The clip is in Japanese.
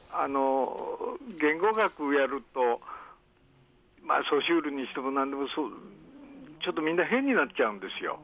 言語学をやると、にしても、なんでもそうですけど、ちょっとみんな、変になっちゃうんですよ。